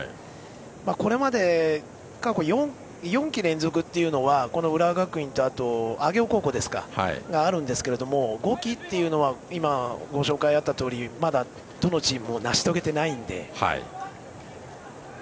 これまで過去４季連続というのはこの浦和学院とあと上尾高校があるんですが５季というのは今ご紹介にあったとおりどのチームも成し遂げていないので。